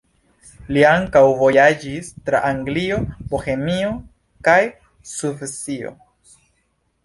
Li ankaŭ vojaĝis tra Anglio, Bohemio kaj Svisio.